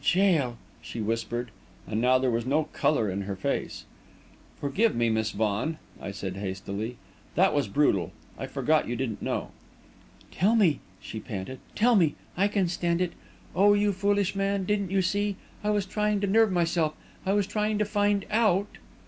"In jail!" she whispered, and now there was no colour in her face. "Forgive me, Miss Vaughan," I said, hastily. "That was brutal. I forgot you didn't know." "Tell me!" she panted. "Tell me! I can stand it! Oh, you foolish man, didn't you see I was trying to nerve myself I was trying to find out...."